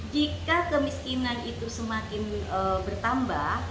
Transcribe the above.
jika kemiskinan itu semakin bertambah